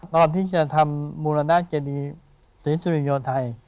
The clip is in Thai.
ตอนที่จะทำมูลนาเจดีศรีสุริยนไทย